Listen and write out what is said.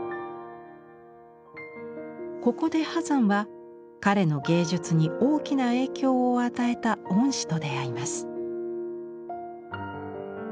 ここで波山は彼の芸術に大きな影響を与えた恩師と出会います。